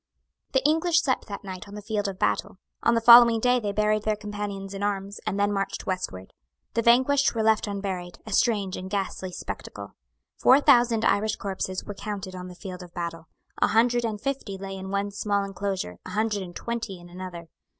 The English slept that night on the field of battle. On the following day they buried their companions in arms, and then marched westward. The vanquished were left unburied, a strange and ghastly spectacle. Four thousand Irish corpses were counted on the field of battle. A hundred and fifty lay in one small inclosure, a hundred and twenty in another.